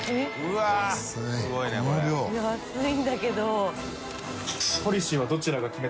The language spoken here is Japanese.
安いんだけど。